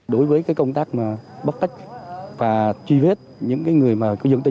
đối với công tác bắt cách và truy vết những người dân tỉnh đưa đi chú trị